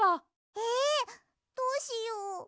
えどうしよう。